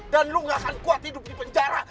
dan lu ga akan kuat hidup di penjara